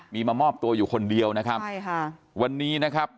มีมามอบตัวอยู่คนเดียวนะครับใช่ค่ะวันนี้นะครับ